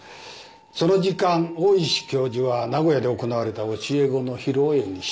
その時間大石教授は名古屋で行われた教え子の披露宴に出席してますね。